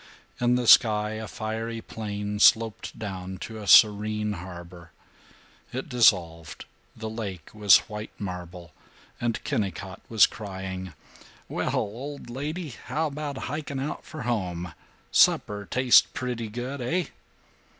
In the sky a fiery plain sloped down to a serene harbor. It dissolved; the lake was white marble; and Kennicott was crying, "Well, old lady, how about hiking out for home? Supper taste pretty good, eh?"